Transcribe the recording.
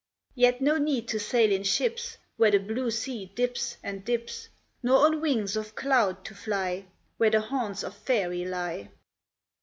Yet no need to sail in ships Where the blue sea dips and dips, Nor on wings of cloud to fly Where the haunts of faery lie.